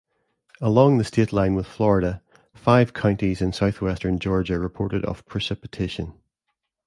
Along the state line with Florida, five counties in southwestern Georgia reported of precipitation.